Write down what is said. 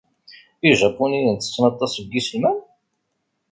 Ijapuniyen ttetten aṭas n yiselman?